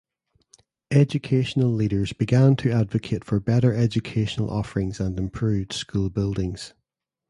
Educational leaders began to advocate for better educational offerings and improved school buildings.